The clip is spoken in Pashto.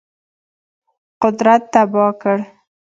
قدرت تباه کړ.